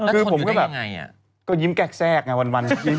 คือผมก็แบบยิ้มแกล้งแซกไงวัน